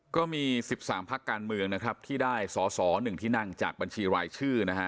ก็มีสิบสามภักดิ์การเมืองนะครับที่ได้ศหนึ่งที่นั่งจากบัญชีรายชื่อนะคะ